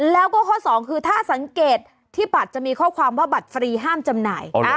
แล้วก็ข้อสองคือถ้าสังเกตที่บัตรจะมีข้อความว่าบัตรฟรีห้ามจำหน่าย